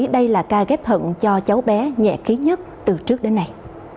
đây là ca ghép thận cho cháu bé nhẹ ký nhất từ trước đến nay